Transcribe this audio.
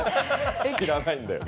知らないんだね。